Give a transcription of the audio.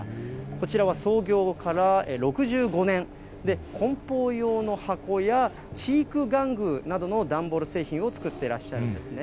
こちらは創業から６５年、こん包用の箱や知育玩具などの段ボール製品を作ってらっしゃるんですね。